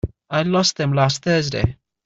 I lost them last Thursday.